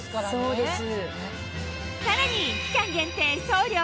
そうです。